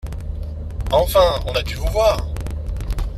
Enfin, on a dû vous voir !